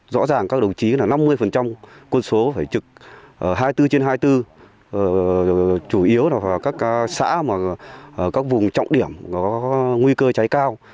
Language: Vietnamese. rõ ràng các đồng chí là năm mươi quân số phải trực hai mươi bốn trên hai mươi bốn chủ yếu là các xã vùng trọng điểm có nguy cơ cháy cao